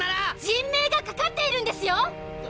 人命がかかっているんですよ！